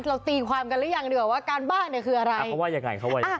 เราตีความกันหรือยังดีกว่าการบ้านคืออะไร